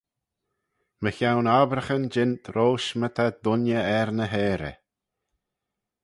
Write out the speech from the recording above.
Mychione obbraghyn jeant roish my ta dooinney er ny heyrey.